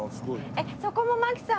えっそこも槙さん